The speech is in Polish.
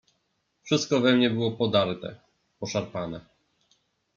"Wszystko we mnie było podarte, poszarpane."